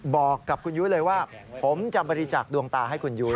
บอกกับคุณยุ้ยเลยว่าผมจะบริจาคดวงตาให้คุณยุ้ย